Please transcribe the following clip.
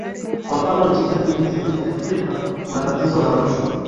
kwa mfano nchi zetu hizi za kiafrika kuna tatizo la rushwa